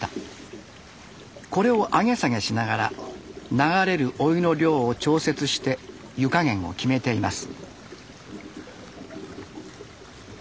これを上げ下げしながら流れるお湯の量を調節して湯加減を決めています。